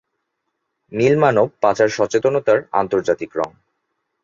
নীল মানব পাচার সচেতনতার আন্তর্জাতিক রঙ।